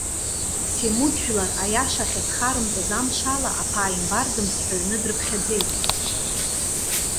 Семуд жәлар, аиаша ахьазхарымҵаз амшала, аԥааимбар дымцҳәаҩны дрыԥхьаӡеит.